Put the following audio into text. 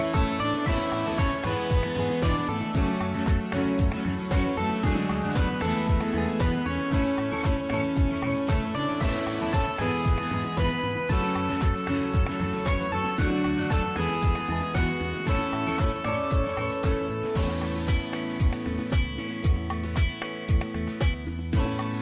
สวัสดีครับ